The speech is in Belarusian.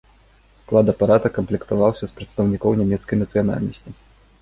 Склад апарата камплектаваўся з прадстаўнікоў нямецкай нацыянальнасці.